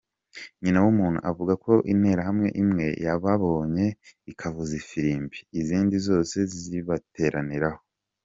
Nyinawumuntu avuga ko interahamwe imwe yababonye ikavuza amafirimbi izindi zose zibateraniraho.